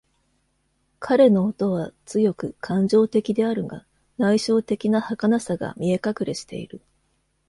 彼の音は強く感情的であるが、内省的なはかなさが見え隠れしている。